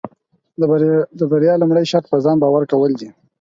د بریا لومړی شرط پۀ ځان باور کول دي.